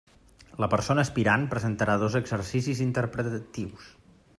La persona aspirant presentarà dos exercicis interpretatius.